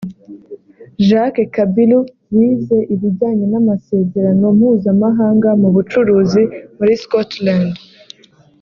Jacques Kabiru wize ibijyanye n’Amasezerano Mpuzamahanga mu Bucuruzi muri Scotland